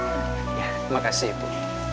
terima kasih ibu